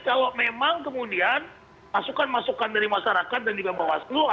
kalau memang kemudian masukan masukan dari masyarakat dan juga bawaslu